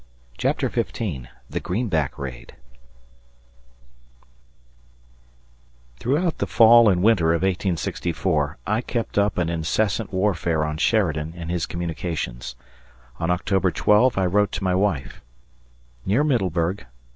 CHAPTER XV THE GREENBACK RAID THROUGHOUT the fall and winter of 1864 I kept up an incessant warfare on Sheridan and his communications. On October 12 I wrote to my wife: Near Middleburg.